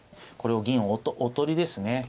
これは銀おとりですね。